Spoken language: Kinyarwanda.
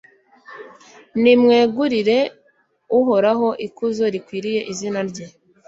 nimwegurire uhoraho ikuzo rikwiriye izina rye